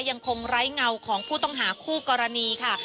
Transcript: ยังคงไร้เงาของผู้ต้องหาคู่กรณีค่ะ